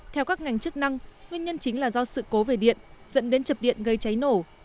theo các ngành chức năng nguyên nhân chính là do sự cố về điện dẫn đến chập điện gây cháy nổ